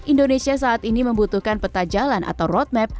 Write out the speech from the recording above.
indonesia saat ini membutuhkan peta jalan atau roadmap